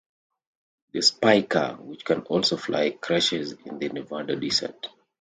The spy car, which can also fly, crashes in the Nevada desert.